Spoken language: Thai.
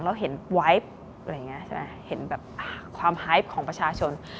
เราเห็นไวท์อะไรอย่างนี้ใช่ไหมเห็นแบบความไฮฟของประชาชน